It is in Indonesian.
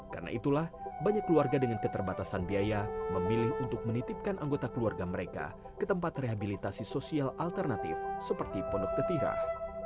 karena itulah banyak keluarga dengan keterbatasan biaya memilih untuk menitipkan anggota keluarga mereka ke tempat rehabilitasi sosial alternatif seperti pondok tetirah